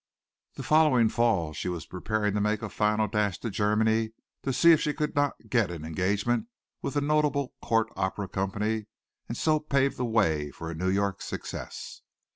The following Fall she was preparing to make a final dash to Germany to see if she could not get an engagement with a notable court opera company and so pave the way for a New York success.